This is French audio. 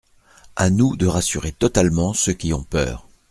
À nous de rassurer totalement ceux qui ont peur.